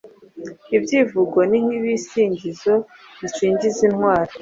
Ibyivugo ni nkibisingizo bisingiza intwari